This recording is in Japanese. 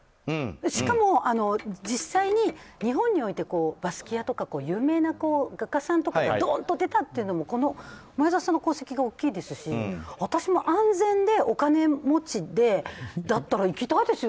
しかも、実際に日本においてバスキアとか画家さんがドンと出たのも前澤さんの功績が大きいですし私も安全でお金持ちだったら行きたいですよ